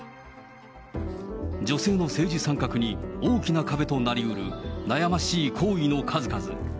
女性の政治参画に大きな壁となりうる悩ましい行為の数々。